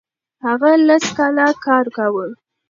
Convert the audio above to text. هغه لس کاله کار کاوه.